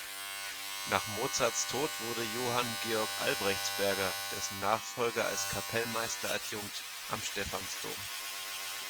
Nach Mozarts Tod wurde Johann Georg Albrechtsberger dessen Nachfolger als Kapellmeister-Adjunkt am Stephansdom.